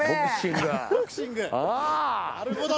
なるほど。